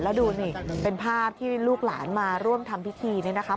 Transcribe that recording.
แล้วดูนี่เป็นภาพที่ลูกหลานมาร่วมทำพิธีนี่นะคะ